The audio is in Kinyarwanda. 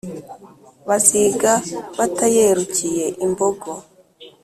baziga batayerukiye i mbogo,